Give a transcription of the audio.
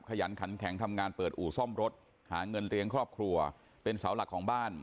ขยันขันแข็งทำงานเปิดอู่ซ่อมรถหาเงินเลี้ยงครอบครัวเป็นเสาหลักของบ้าน